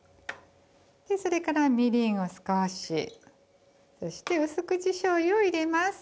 それからみりんを少しそして薄口醤油を入れます。